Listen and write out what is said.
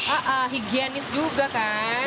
iya higienis juga kan